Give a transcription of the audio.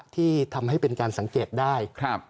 ที่ทำให้เป็นการสังเกตได้